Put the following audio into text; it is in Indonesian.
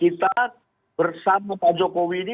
kita bersama pak jokowi ini